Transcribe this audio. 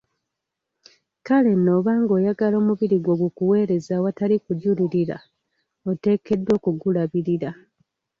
Kale nno obanga oyagala omubiri gwo gukuweereze awatali kujulirira, oteekeddwa okugulabirira.